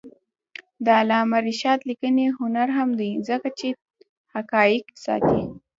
د علامه رشاد لیکنی هنر مهم دی ځکه چې حقایق ساتي.